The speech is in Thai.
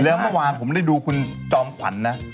แล้วเมื่อวานผมได้ดูคุณจอมขวัญนะ